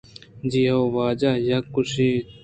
جی ہئو واجہ! یکے ءَ گوٛشت